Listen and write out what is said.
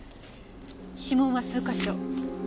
指紋は数か所。